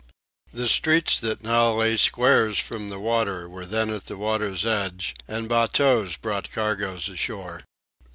The streets that now lay squares from the water were then at the water's edge and batteaus brought cargoes ashore.